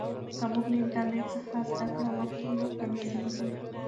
که موږ له انټرنیټ څخه زده کړه وکړو نو کامیابېږو.